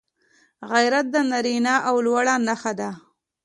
غیرت د نارینه لوړه نښه ده